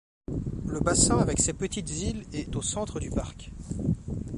Le bassin, avec ses petites îles est au centre du parc.